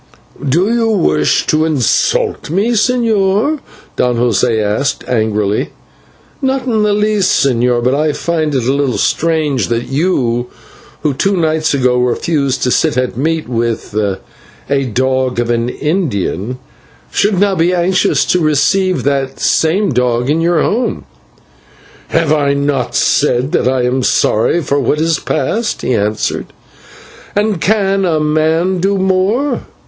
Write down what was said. "Do you wish to insult me, señor?" Don José asked angrily. "Not in the least, señor, but I find it a little strange that you, who two nights ago refused to sit at meat with 'a dog of an Indian,' should now be anxious to receive that same dog into your home." "Have I not said that I am sorry for what is past?" he answered, "and can a man do more?